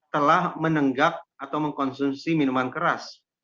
telah menenggak atau mengkonsumsi minuman keras